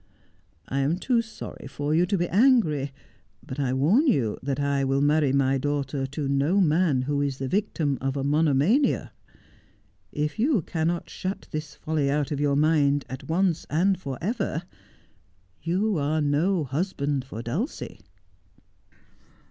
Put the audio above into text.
I am too sorry for you to be angry ; b\it I warn you that I will marry my daughter to no man who is the victim of a monomania. If you cannot shut this folly out of your mind at once and for ever you are no husband for Dulcie.'